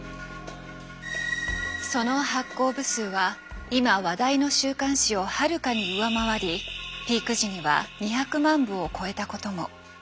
その発行部数は今話題の週刊誌をはるかに上回りピーク時には２００万部を超えたことも。